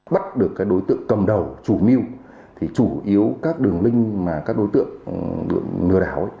bắt được các đối tượng cầm đầu chủ mưu thì chủ yếu các đường link mà các đối tượng lừa đảo